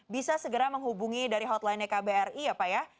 bisa segera menghubungi dari hotline nya kbri ya pak ya